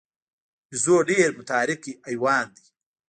بیزو ډېر متحرک حیوان دی.